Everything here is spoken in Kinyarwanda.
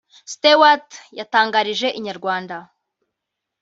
Stewart yatangarije inyarwanda